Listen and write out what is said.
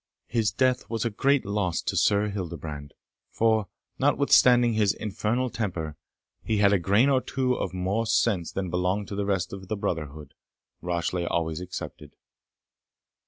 His death was a great loss to Sir Hildebrand, for, notwithstanding his infernal temper, he had a grain or two of more sense than belonged to the rest of the brotherhood, Rashleigh always excepted.